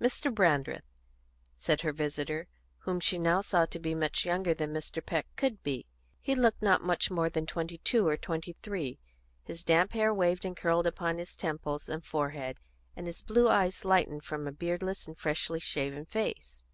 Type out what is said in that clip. "Mr. Brandreth," said her visitor, whom she now saw to be much younger than Mr. Peck could be. He looked not much more than twenty two or twenty three; his damp hair waved and curled upon his temples and forehead, and his blue eyes lightened from a beardless and freshly shaven face.